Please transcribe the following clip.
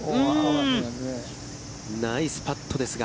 ナイスパットですが。